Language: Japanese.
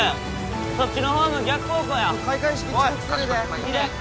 そっちのホーム逆方向や開会式遅刻するで楡！